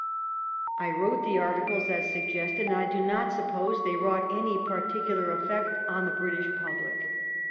I wrote the articles as suggested, and I do not suppose they wrought any particular effect on the British public.